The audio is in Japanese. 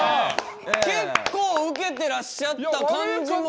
結構ウケてらっしゃった感じも。